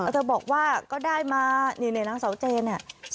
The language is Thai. เธอบอกว่าก็ได้มานี่นางเสาเจเนี่ย